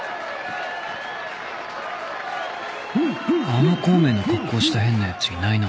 あの孔明の格好した変なやついないな